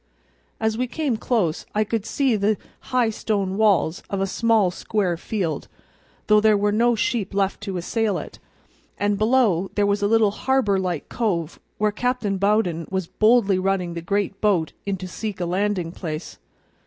As we came close I could see the high stone walls of a small square field, though there were no sheep left to assail it; and below, there was a little harbor like cove where Captain Bowden was boldly running the great boat in to seek a landing place.